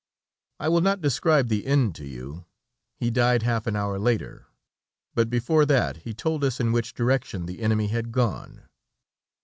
I will not describe the end to you; he died half an hour later, but before that he told us in which direction the enemy had gone.